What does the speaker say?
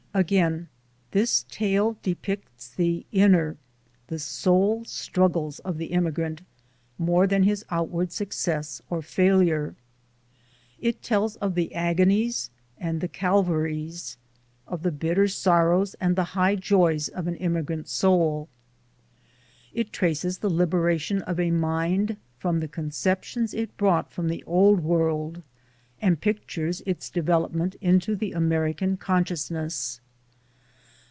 Again, this tale depicts the inner, the soul struggles of the immigrant more than his outward success or failure. It tells of the agonies and the Calvaries, of the bitter sorrows and the high joys of an immigrant soul; it traces the liberation of a mind from the conceptions it brought from the Old Xll FOREWORD World and pictures its development into the Ameri can consciousness.